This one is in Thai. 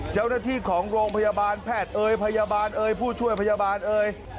เจ้าหน้าที่ของโรงพยาบาลแพทย์เอ่ยพยาบาลเอ่ยผู้ช่วยพยาบาลเอ่ย